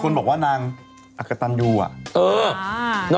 เดี๋ยวร้านเครื่องสำอางสไตล์บุฟเฟต์